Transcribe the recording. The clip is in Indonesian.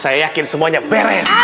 saya yakin semuanya beres